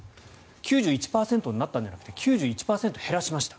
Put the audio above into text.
９１％になったんじゃなくて９１％減らしました。